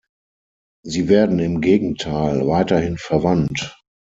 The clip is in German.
Sie werden im Gegenteil weiterhin verwandt.